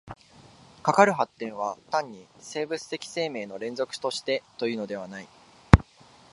かかる発展は単に生物的生命の連続としてというのではない。